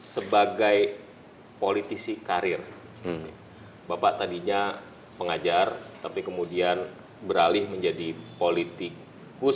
sebagai politisi karir bapak tadinya pengajar tapi kemudian beralih menjadi politikus